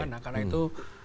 nah karena itu